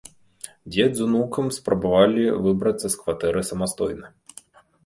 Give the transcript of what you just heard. Дзед з унукам спрабавалі выбрацца з кватэры самастойна.